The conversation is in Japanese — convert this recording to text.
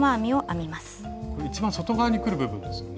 これ一番外側にくる部分ですよね。